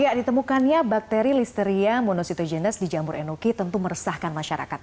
ya ditemukannya bakteri listeria monositogenes di jamur enoki tentu meresahkan masyarakat